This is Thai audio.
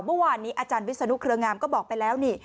เมื่อวานนี้อาจารย์วิศนุเครืองามก็บอกไปแล้วนี่